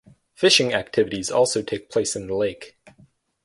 Fishing activities also take place in the lake.